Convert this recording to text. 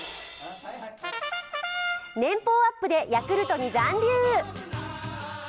年俸アップでヤクルトに残留。